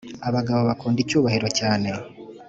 Abagabo bakunda icyubahiro cyane